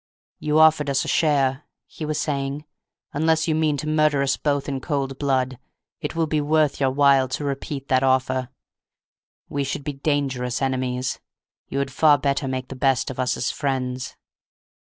"You offered us a share," he was saying; "unless you mean to murder us both in cold blood, it will be worth your while to repeat that offer. We should be dangerous enemies; you had far better make the best of us as friends."